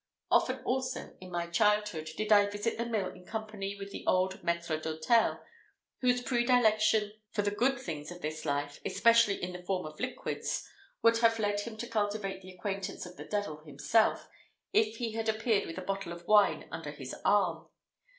Often also, in my childhood, did I visit the mill in company with the old maître d'hôtel, whose predilection for the good things of this life, especially in the form of liquids, would have led him to cultivate the acquaintance of the Devil himself, if he had appeared with a bottle of wine under his arm.